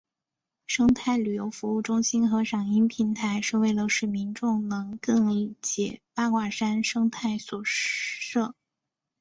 生态旅游服务中心和赏鹰平台是为了使民众能更解八卦山生态所设。